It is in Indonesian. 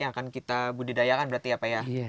yang akan kita budidayakan berarti ya pak ya